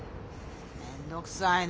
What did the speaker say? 面倒くさいな。